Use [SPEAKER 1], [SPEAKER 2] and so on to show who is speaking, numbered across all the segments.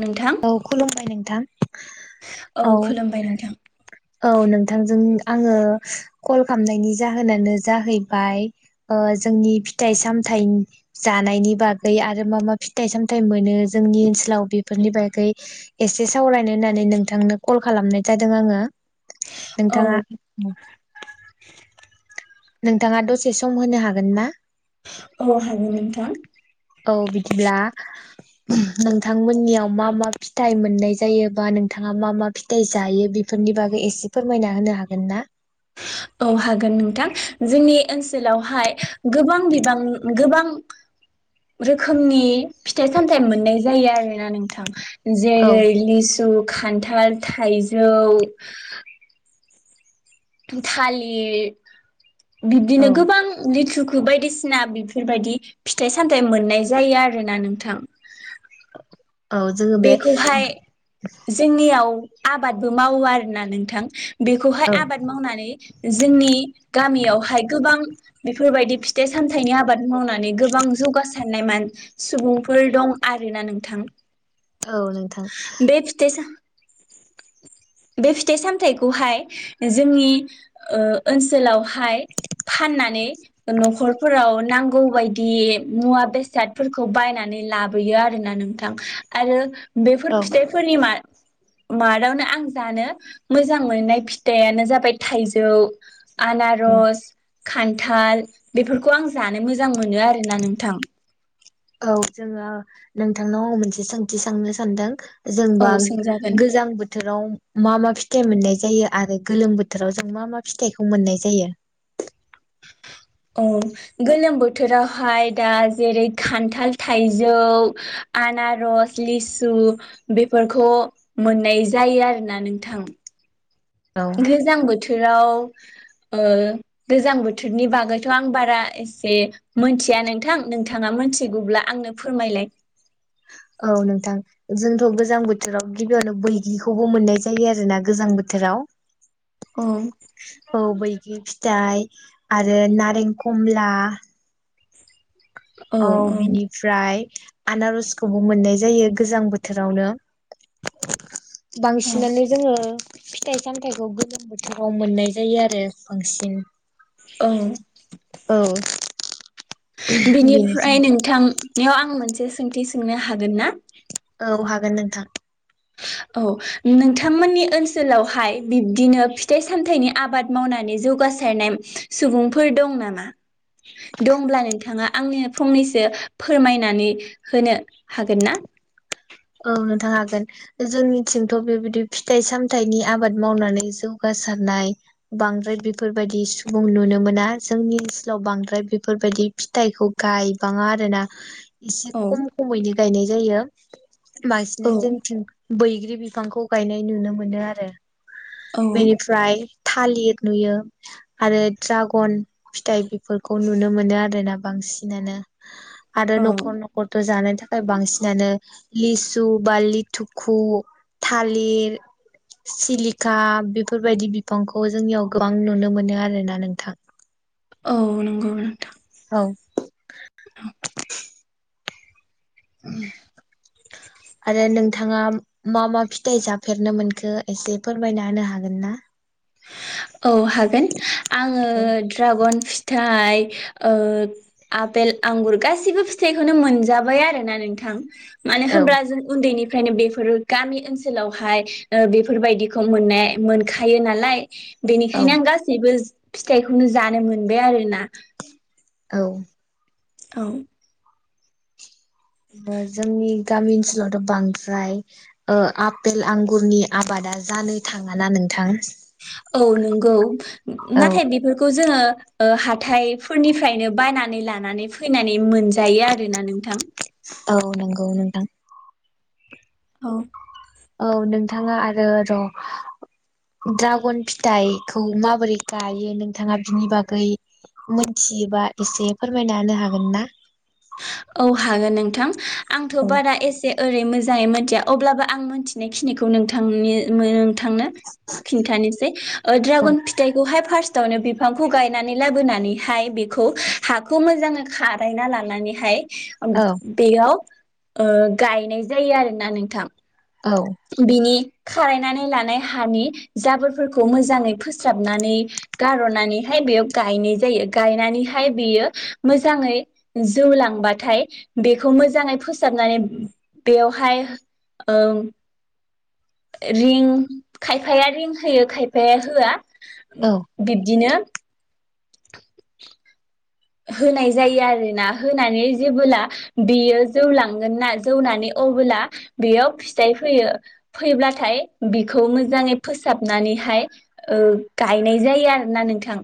[SPEAKER 1] नोंथां
[SPEAKER 2] औ खुलुमबाय नोंथां। औ-
[SPEAKER 1] खुलुमबाय नोंथां
[SPEAKER 2] औ -नों। नोंथांजों आङो कल खालामनायनि जाहोनानो जाहैबाय ओ जोंनि फिथाइ सामथाय जानायनि बागै आरो मा मा फिथाइ सामथायाइ मोनो जोंनि ओनसोलाव बेफोरनि बाग। एसे सावरायनो होननानै नोंथांनो कल खालामनाय जादों आङो।
[SPEAKER 1] औ
[SPEAKER 2] नोंथाङा। नोंथाङा दसे सम होनो हागोन ना।
[SPEAKER 1] औ हागोन नोंथां।
[SPEAKER 2] औ बिदिब्ला नोंथांमोननियाव मा मा फिथायाइ मोननाय जायो बा नोंथाङा मा मा फिथाइ जायो बेफोरनि बागै एसे फोरमायना होनो हागोन ना?
[SPEAKER 1] औ हागोन नोंथां जोंनि ओनसोलावहाय गोबां बिबां गोबां रोखोमनि फिथाइ सामथाइ मोननाय जायो आरोना नोंथां।
[SPEAKER 2] औ
[SPEAKER 1] जेरै लिसु खान्थाल थाइजौ। थालिर
[SPEAKER 2] औ
[SPEAKER 1] बिब्दिनो गोबां लेथुक बायदिसिना बेफोरबायदि फिथाइ सामथाइ मोननाय जायो आरो ना नोंथां।
[SPEAKER 2] औ जोङो बे
[SPEAKER 1] बेखौहाय जोंनियाव। आबादबो मावो आरोना नोंथां। बेखौहाय
[SPEAKER 2] औ
[SPEAKER 1] आबाद मावनानै जोंनि गामियावहाय गोबां। बेफोरबायदि फिथाइ सामथाइनि आबाद मावनाय। गोबां जौगासारनाय मान सुबुंफोर दं आरोना नोंथां।
[SPEAKER 2] औ नोंथां।
[SPEAKER 1] बे फिथाइ साम बे फिथाइ सामथाइखौहाय जोंनि ओ ओनसोलाव हाय फाननानै नखरफोराव नां गौ बायदि मुवा बेसादफोरखौ बायनानै लाबोयो आरो ना नोंथां। आरो
[SPEAKER 2] औ
[SPEAKER 1] बेफोर फिथाइफोरनि मा [unintelligible] आं जानो मोजां मोननाय फिथाइानो जाबाय थाइजौ। आनारस खान्थाल बेफोरखौ आं जानो मोजां मोनो आरोना नोंथां।
[SPEAKER 2] औ जोङो नोंथांनाव आं मोनसे सोंथि साननो सानदों
[SPEAKER 1] औ
[SPEAKER 2] जोंबा
[SPEAKER 1] सोंजागोन
[SPEAKER 2] गोजां बोथोराव मा मा फि थाइ मोननाय जायो आरो गोलोम बोथोराव जों मा मा फिथाइखौ मोननाय जायो?
[SPEAKER 1] औ गोलोम बोथोरावहाय दा जेरै खान्थाल थाइजौ आनारस लिसु बेफोरखौ मोननाय जायो आरोना नोंथां।
[SPEAKER 2] औ
[SPEAKER 1] गोजां बोथोर आव ओ गोजां बोथोरनि बागैथ' आं बारा एसे मोनथिया नोंथां नोंथाङा मिथिगौब्ला आंनो फोरमायलाय।
[SPEAKER 2] औ नोंथां जोंथ' गोजां बोथोराव गिबियावनो बैगिखौबो मोननाय जायो आरो ना गोजां बोथोराव
[SPEAKER 1] औ
[SPEAKER 2] [unintelligible] फिथाइ आरो नारें खमला। औ बिनिफ्राय आनारसखौबो मोननाय जायो गोजां बोथोरावनो
[SPEAKER 1] औ
[SPEAKER 2] बांसिनानो जोङो फिथाइ सामथायाइखौ गोलोम बोथोराव मोननाय जायो आरो बांसिन
[SPEAKER 1] औ
[SPEAKER 2] औ
[SPEAKER 1] बेनिफ्राय नोंथां बेयाव आं मोनसे सोंथि सोंनो हागोन ना?
[SPEAKER 2] औ हागोन नोंथां
[SPEAKER 1] औ नोंथांमोननि ओनसोलावहाय बिब्दिनो फिथाइ सामथायाइनि आबाद मावनानै जौगासारनाय सुबुंफोर दं नामा दंब्ला नोंथाङा आंनो फंनैसो फोरमायनानै होनो हागोन ना?
[SPEAKER 2] औ नोंथां हागोन जोंनिथिंथ' बेबायदि फिथाइ सामथायाइनि आबाद मावनानै जौगासारनाय बांद्राय बेफोरबायदि सुबुं नुनो मोना जोंनि ओनसोलाव बांद्राय बेफोरबायदि फिथाइखौ गायबाङा आरो ना एसे
[SPEAKER 1] औ
[SPEAKER 2] खम खमैनो गायनाय जायो
[SPEAKER 1] औ
[SPEAKER 2] माइसिनानो जोंथिं बैग्रि बिफांखौ गायनाय नुनो मोनो आरो
[SPEAKER 1] औ
[SPEAKER 2] बेनिफ्राय थालिर नुयो आरो ड्रागन फिथाइ बेफोरखौ नुनो मोनो आरोना बांसिनानो आरो
[SPEAKER 1] औ
[SPEAKER 2] न'खर न'खरथ' जानाय था आरो बांसिनानो लिसु बा लिथुखु थालिर सिलिखा बेफोरबायदि बिफांखौ जोंनियाव गोबां नुनो मोनो आरोना नोंथां
[SPEAKER 1] औ नंगौ नोंथां
[SPEAKER 2] औ आरो नोंथाङा मा मा फिथाइ जाफेरनो मोनखो एसे फोरमायना होनो हागोन ना
[SPEAKER 1] औ हागोन आङो
[SPEAKER 2] औ
[SPEAKER 1] ड्रागन फिथाइ ओ आपेल आंगुर गासिबो फिथाइखौनो मोनजाबाय आरोना नोंथां माने होमब्ला जों उन्दैनि फ्रायनो बेफोर गामि ओनसोलावहाय बेफोरबायदिखौ मोननाय मोनखायो नालाय [inaudible]
[SPEAKER 2] औ
[SPEAKER 1] बेनिखायनो आं गासैबो फिथाइखौनो जानो मोनबाय आरो ना
[SPEAKER 2] औ
[SPEAKER 1] औ
[SPEAKER 2] जोंनि गामि ओनसोलावथ' बांद्राय आपेल आंगुरनि आबादा जानो थाङाना नोंथां
[SPEAKER 1] औ नंगौ नाथाय
[SPEAKER 2] औ
[SPEAKER 1] बेफोरखौ जोङो हाथायफोरनिफ्रायनो बायनानै लानानै फैनानै मोनजायो आरोना नोंथां
[SPEAKER 2] औ नंगौ नोंथां
[SPEAKER 1] औ
[SPEAKER 2] औ नोंथाङा आरो र' ड्रागन फिथाइखौ माबोरै गायो नोंथाङा बिनि बागै मोनथियोबा एसे फोरमायना होनो हागोन ना?
[SPEAKER 1] औ हागोन नोंथां आंथ'
[SPEAKER 2] औ
[SPEAKER 1] बारा एसे ओरै मोजाङै मिथिया अब्लाबो आं मोनथिनायखिनिखौ नोंथांनि नोंथांनो खिन्थानोसै
[SPEAKER 2] औ
[SPEAKER 1] ड्रागन फिथाइखौहाय फारस्ट थनो बिफांखौ गायनानै लाबोनानैहाय बेखौ हाखौ मोजाङै खारायना लानानै हाय
[SPEAKER 2] औ
[SPEAKER 1] बेयाव गायनाय जायो आरोना नोंथां
[SPEAKER 2] औ
[SPEAKER 1] बिनि खारायनानै लानाय हानि जाबोरफोरखौ मोजाङै फोस्राबनानै गार'नानैहाय बेयाव गायनाय जायो गायनानैहाय बेयो मोजाङै जौलांबाथाय बेखौ मोजाङै फोसाबनानै बेयावहाय रिं खायफाया रिं होयो खायफाया होआ
[SPEAKER 2] औ
[SPEAKER 1] बिब्दिनो होनाय जायो आरोना होनानै जेबोला बेयो जौलांगोन ना जौनानै अबोला बेयाव फिथाइ फैयो फैब्लाथाय बेखौ मोजाङै फोसाबनानैहाय गायनाय जायो आरोना नोंथां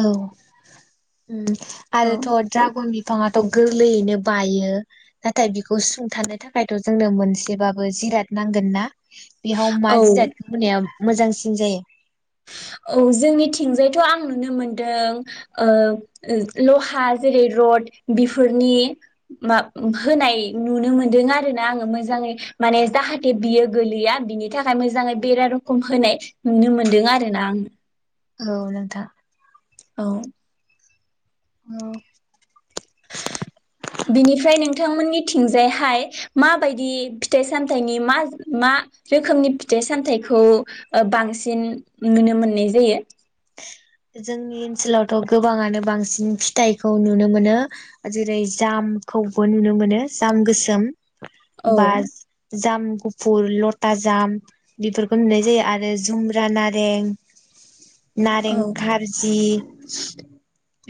[SPEAKER 2] औ उम आरोथ' दड्रागननि बिफाङाथ' गोरलैयैनो बायो नाथाय बिखौ सुंथानो थाखायथ' जोंनो मोनसेबाबो जिराद नांगोन ना बेयाव मा
[SPEAKER 1] औ
[SPEAKER 2] जिरादखौ होनाया मोजांसिन जायो?
[SPEAKER 1] औ जोंनिथिंजायथ' आं नुनो मोनदों ओ लहा जेरै रड बेफोरनि मा होनाय नुनो मोनदों आरो ना आङो मोजाङै माने जाहाथे बियो गोलैया बिनि थाखाय मोजाङै बेरा रखम होनाय नुनो मोनदों आरो देनां
[SPEAKER 2] औ नोंथां
[SPEAKER 1] [inaudible]
[SPEAKER 2] औ
[SPEAKER 1] बिनिफ्राय नोंथांमोननि थिंजायहाय माबायदि फिथाइ सामथाइनि मा मा रोखोमनि फिथाइ सामथाइखौ ओ बांसिन नुनो मोननाय जायो?
[SPEAKER 2] जोंनि ओनसोलावथ' गोबाङानो बांसिन फिथाइखौ नुनो मोनो जेरै जामखौबो नुनो मोनो जाम गोसोम
[SPEAKER 1] औ
[SPEAKER 2] बास जाम गुफुर लथा जाम बेफोरखौ नुनाय जायो आरो जुम्रा नारें नारें
[SPEAKER 1] औ
[SPEAKER 2] जि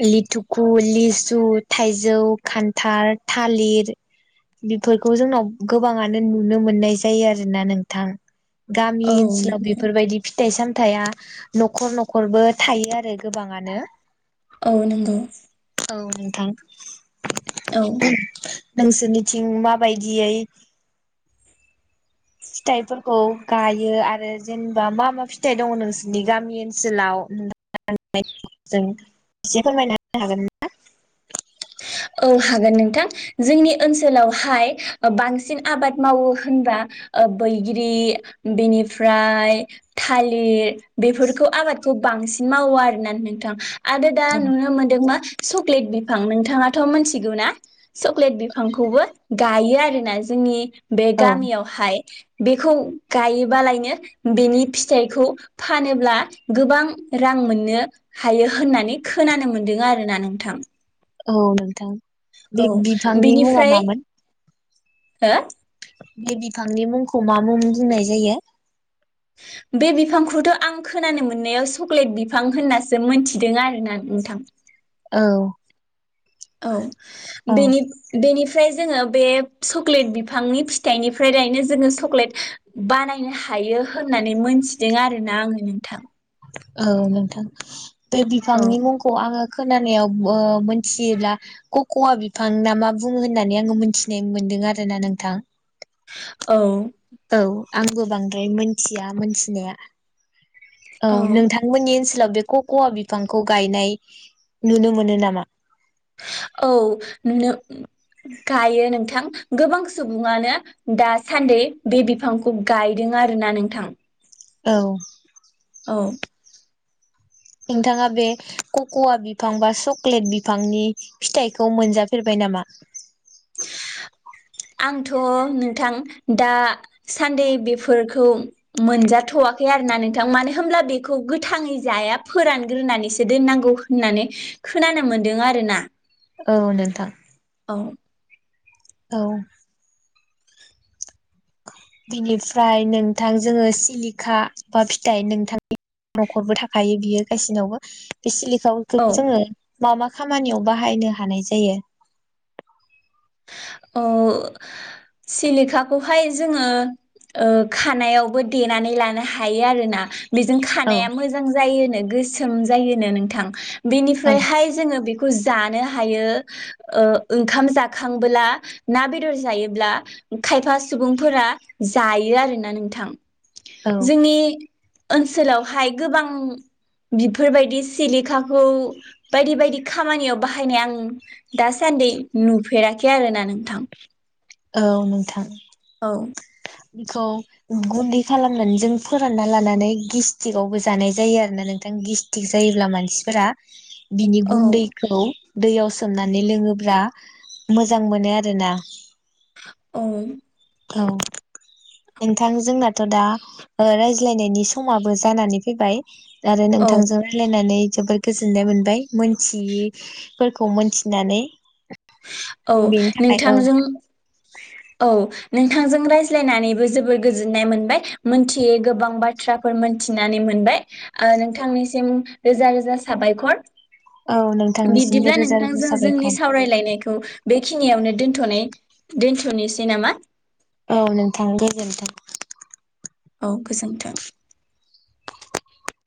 [SPEAKER 2] लिथुखु लिसु थाइजौ खान्थाल थालिर बिफोरखौ जोंनाव गोबाङानो नुनो मोननाय जायो आरोना नोंथां गामि
[SPEAKER 1] औ
[SPEAKER 2] ओनसोलाव
[SPEAKER 1] नंगौ
[SPEAKER 2] बेफोरबायदि फिथाइ सामथाइया न'खर न'खरबो थायो आरो गोबाङानो।
[SPEAKER 1] औ नोंगौ
[SPEAKER 2] औ नोंथां
[SPEAKER 1] औ
[SPEAKER 2] नोंसोरनिथिं माबायदियै फिथाइफोरखौ गायो आरो जेनेबा मा मा फिथाइ दङ नोंसोरनि गामि ओनसोलाव जों एसे फोरमायना होन हागोन ना [unintelligible]
[SPEAKER 1] औ हागोन नोंथां जोंनि ओनसोलावहाय ओ बांसिन आबाद मावो होनबा ओ बैग्रि बिनिफ्राय थालिर बेफोरखौ आबादखौ बांसिन मावो आरोना नोंथां। आरो दा
[SPEAKER 2] नोंथां?
[SPEAKER 1] नुनो मोनदों मा चक्लेट बिफां नोंथाङा थ' मोनथिगौ ना चकलेट बि फांखौबो गा हायो आरोना जोंनि बे
[SPEAKER 2] औ
[SPEAKER 1] गामियावहाय बेखौ गायोबालायनो बेनि फिथाइखौ फानोब्ला गोबां रां मोननो हायो होननानै खोनानो मोन्दों आरो ना नोंथां।
[SPEAKER 2] औ नोंथां
[SPEAKER 1] औ
[SPEAKER 2] बे बिफांनि मुङा
[SPEAKER 1] बेनिफ्राय
[SPEAKER 2] मामोन?
[SPEAKER 1] हो?
[SPEAKER 2] बे बिफांनि मुंखौ मा मुं बुंनाय जायो?
[SPEAKER 1] बे बिफांखौथ' आं खोनानो मोननायाव चक्लेट बिफां होननासो मोनथिदों आरोना नोंथां।
[SPEAKER 2] औ
[SPEAKER 1] औ
[SPEAKER 2] औ
[SPEAKER 1] बेनि बिनि फ्राय जोङो बे चक्लेट बिफांनि फिथाइनिफ्राय लायनो जोङो सक्लेट बानायनो हायो होननानै मोनथिदों आरोना आङो नोंथां।
[SPEAKER 2] औ नोंथां बे
[SPEAKER 1] औ
[SPEAKER 2] बिफांनि मुंखौ आङो खोनानायाव ओ मिथियोब्ला कक'वा बिफां ना मा बुङो होननानै आङो मोनथिनाय मोनदों आरो ना नोंथां।
[SPEAKER 1] औ
[SPEAKER 2] औ आंबो बांद्राय मोनथिया मोनथिनाया। औ नोंथांमोननि ओनस सोलाव बे क'कवा बिफांखौ गायनाय नुनो मोनो नामा?
[SPEAKER 1] औ नो गायो नोंथां गोबां सुबुङानो दासान्दै बे बिफांखौ गायदों आरोना नोंथां।
[SPEAKER 2] औ
[SPEAKER 1] औ
[SPEAKER 2] नोंथाङा बे कक'वा बिफां बा चक्लेट बिफांनि फिथाइखौ मोनजाफेरबाय नामा?
[SPEAKER 1] आंथ' नोंथां दासान्दै बेफोरखौ मोनजाथ'वाखै आरोना नोंथां मानो होनब्ला बेखौ गोथाङै जाया फोरानग्रोनानैसो दोननांगौ होननानै खोनानो मोनदों आरोना।
[SPEAKER 2] औ नोंथां
[SPEAKER 1] [inaudible]
[SPEAKER 2] औ बिनिफ्राय नोंथां जोङो सिलिखा बा फिथाइ नोंथांनि न'खरबो थाखायो बियो गायसिनावबो बे सिलि खा खौ
[SPEAKER 1] औ
[SPEAKER 2] जोङो मा मा खामानियाव बाहायनो हानाय जायो?
[SPEAKER 1] ओ सिलिखाखौहाय जोङो ओ खानायावबो देनानै लानो हायो आरोना। बेजों
[SPEAKER 2] औ
[SPEAKER 1] खानाया मोजां जायोनो। गोसोम जायोनो नोंथां।
[SPEAKER 2] औ
[SPEAKER 1] बेनिफ्रायहाय जोङो बे खौ जानो हायो ओ ओंखाम जाखां बोला ना बेदर जायोब्ला खायफा सुबुंफोरा जायो आरोना नोंथां।
[SPEAKER 2] औ
[SPEAKER 1] जोंनि ओनसोलावहाय गोबां बिफोरबायदि सिलिखाखौ बायदि बायदि खामानियाव बाहायनाय आं दासान्दि नुफेरा आरोना नोंथां
[SPEAKER 2] औ नोंथां
[SPEAKER 1] औ
[SPEAKER 2] बेखौ गुन्दै खालामनानै जों फोरानना लानानै गेस्टिकआवबो जानाय जायो आरोना नोंथां गेस्टिक जायोब्ला मानसिफोरा बिनि
[SPEAKER 1] औ
[SPEAKER 2] गुन्दैखौ दैयाव सोमनानै लोङोब्ला मोजां मोनो आरोना
[SPEAKER 1] अ
[SPEAKER 2] औ नोंथां जोंनाथ' दा रायज्लायनायनि समाबो जानानै फैबाय आरो
[SPEAKER 1] औ
[SPEAKER 2] नोंथांजों राय्लायनानै जोबोर गोजोननाय मोनबाय मोनथियैफोरखौ मोनथिनानै
[SPEAKER 1] औ
[SPEAKER 2] बेनि थाखाय औ
[SPEAKER 1] नोंथांजों औ नोंथांजों रायज्लायनानैबो जोबोर गोजोननाय मोनबाय मोनथियै गोबां बाथ्राफोर मोनथिनानै मोनबाय ओ नोंथांनिसिम रोजा रोजा साबायखर
[SPEAKER 2] औ नोंथांनिसिमबो
[SPEAKER 1] बिदिब्ला
[SPEAKER 2] रोजा रोजा
[SPEAKER 1] नोंथांजों जोंनि
[SPEAKER 2] साबायखर
[SPEAKER 1] सावरायलायनायखौ बेखिनियावनो दोनथनाय दोनथनाय सनि सैनामा
[SPEAKER 2] औ नोंथां गोजोनथों
[SPEAKER 1] औ गोजोनथों